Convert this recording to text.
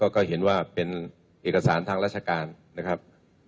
ก็เห็นว่าเป็นเอกสารทางราชการนะครับ